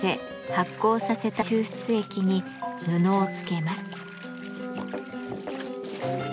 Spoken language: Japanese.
発酵させた抽出液に布をつけます。